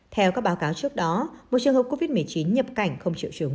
theo các báo cáo trước đó một trường hợp covid một mươi chín nhập cảnh không triệu chứng